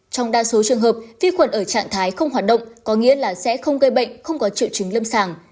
trong đa số trường hợp vi khuẩn ở trạng thái không hoạt động có nghĩa là sẽ không gây bệnh không có triệu chứng lâm sàng